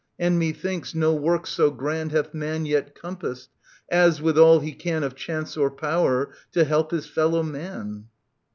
And, methinks, no work so grand Hath man yet compassed, as, with all he can Of chance or power, to help his fellow man.